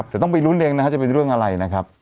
แต่ต้องไปลุ้นเองนะฮะจะเป็นเรื่องอะไรนะครับ